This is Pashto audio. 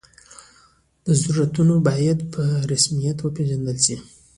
دا ضرورتونه باید په رسمیت وپېژندل شي.